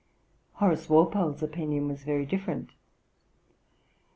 30. Horace Walpole's opinion was very different.